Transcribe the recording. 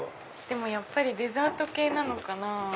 でもやっぱりデザート系なのかな。